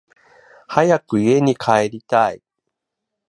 早く家に帰りたい